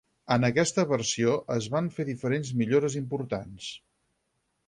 En aquesta versió es van fer diferents millores importants.